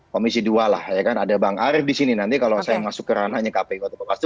komisi dua lah ya kan ada bang arief disini nanti kalau saya masuk ke ranahnya kpi atau apa itu